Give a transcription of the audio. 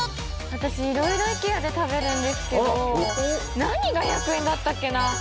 私、色々ＩＫＥＡで食べるんですけど何が１００円だったっけな？